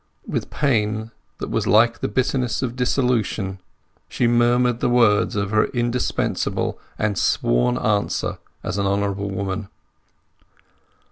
With pain that was like the bitterness of dissolution she murmured the words of her indispensable and sworn answer as an honourable woman.